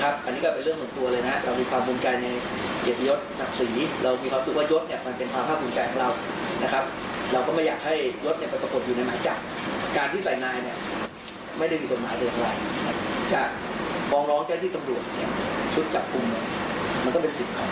จากฟองร้องจากที่สำรวจเนี่ยชุดจับกลุ่มนั้นมันก็เป็นสิทธิ์ของผู้ตำหารอยู่แล้วนะครับ